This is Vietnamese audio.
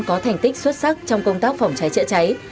có thành tích xuất sắc trong công tác phòng cháy chữa cháy